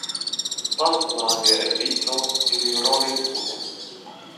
Post la geedziĝo ili rolis kune.